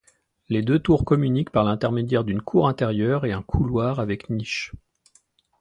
Les deux tours communiquent par l'intermédiaire d'une cour intérieure et un couloir avec niches.